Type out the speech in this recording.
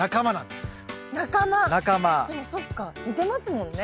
でもそっか似てますもんね。